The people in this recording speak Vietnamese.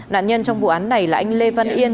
nạn nhân trong vụ án này là anh lê văn yên